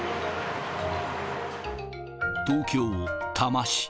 東京・多摩市。